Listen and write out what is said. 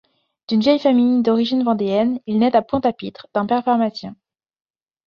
D'une vieille famille d'origine vendéenne, il nait à Pointe-à-Pitre d'un père pharmacien.